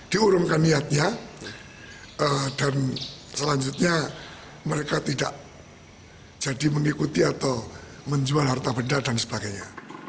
diurungkan niatnya dan selanjutnya mereka tidak jadi mengikuti atau menjual harta benda dan sebagainya